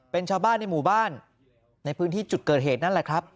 เป็นชาวบ้านในหมู่บ้านในพื้นที่จุดเกิดเหตุนั่นแหละครับ